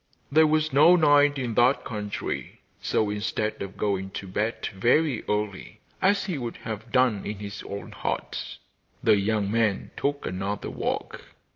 There was no night in that country, so, instead of going to bed very early, as he would have done in his own hut, the young man took another walk.